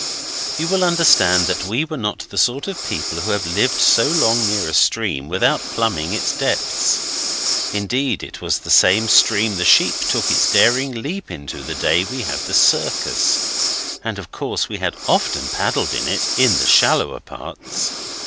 You will understand that we were not the sort of people to have lived so long near a stream without plumbing its depths. Indeed it was the same stream the sheep took its daring jump into the day we had the circus. And of course we had often paddled in it in the shallower parts.